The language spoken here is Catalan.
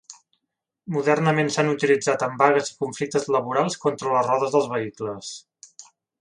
Modernament s'han utilitzat en vagues i conflictes laborals contra les rodes dels vehicles.